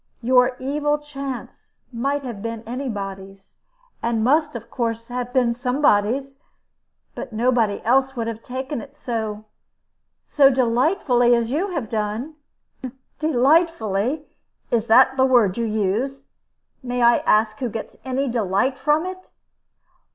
Your evil chance might have been any body's, and must of course have been somebody's. But nobody else would have taken it so so delightfully as you have done!" "Delightfully! Is that the word you use? May I ask who gets any delight from it?"